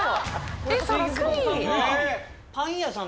えっそっくり。